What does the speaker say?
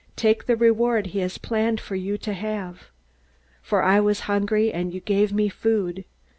Take the reward he has planned for you to have. For I was hungry, and you gave me food.